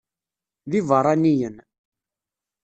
D ibeṛṛaniyen.